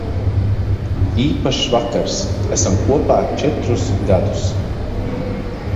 Īpašs vakars. Esam kopā četrus gadus.